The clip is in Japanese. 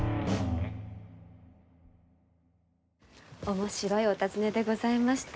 面白いお尋ねでございました。